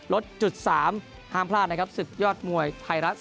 จุด๓ห้ามพลาดนะครับศึกยอดมวยไทยรัฐ